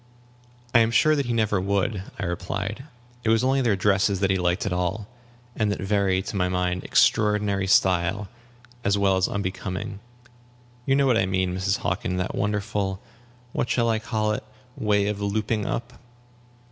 "I am sure that he never would," I replied; "it was only their dresses that he liked at all, and that very, to my mind, extraordinary style, as well as unbecoming. You know what I mean, Mrs. Hockin, that wonderful what shall I call it? way of looping up."